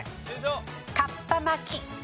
かっぱ巻き。